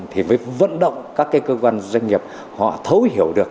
thì với vận động các cơ quan doanh nghiệp họ thấu hiểu được